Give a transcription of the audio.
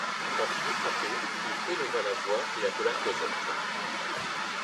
Quand il eut frappé, il éleva la voix et appela Cosette.